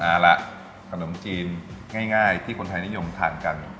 เอาละขนมจีนง่ายที่คนไทยนิยมทานกัน